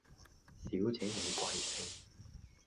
小姐你貴姓